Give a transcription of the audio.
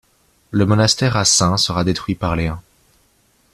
Le monastère à Saints sera détruit par les Huns.